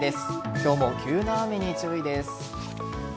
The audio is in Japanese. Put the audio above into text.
今日も急な雨に注意です。